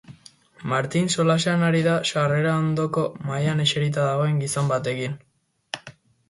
Martin solasean ari da sarrera ondoko mahaian eserita dagoen gizon batekin.